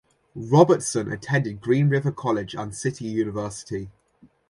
Robertson attended Green River College and City University.